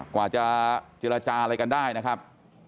กว่าจะเจรจาอะไรกันได้นะครับ